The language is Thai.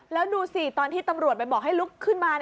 แล้วดูสิตอนที่ตำรวจไปบอกให้ลุกขึ้นมา